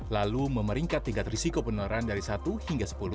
lalu memeringkat tingkat risiko penularan dari satu hingga sepuluh